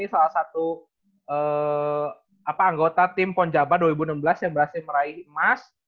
salah satu anggota tim ponjabat dua ribu enam belas yang berhasil meraih emas